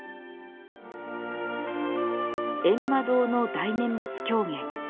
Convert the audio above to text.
ゑんま堂の大念仏狂言。